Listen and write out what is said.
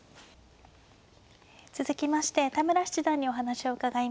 続きまして田村七段にお話を伺います。